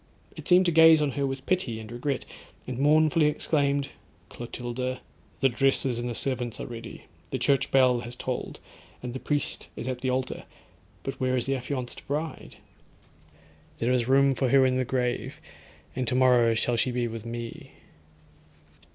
It seemed to gaze on her with pity, an regret, and mournfully exclaimed—'Clotilda, the dresses and the servants are ready, the church bell has tolled, and the priest is at the altar, but where is the affianced bride? There is room for her in the grave, and tomorrow shall she be with me.'